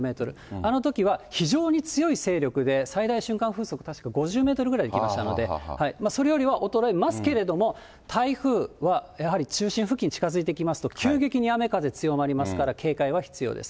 あのときは非常に強い勢力で、最大瞬間風速、確か５０メートルぐらいいきましたので、それよりは衰えますけれども、台風はやはり中心付近、近づいてきますと、急激に雨風強まりますから、警戒は必要です。